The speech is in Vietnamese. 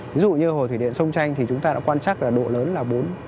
ví dụ như hồ thủy điện sông chanh thì chúng ta đã quan chắc là độ lớn là bốn